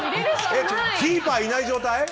えっ、キーパーいない状態？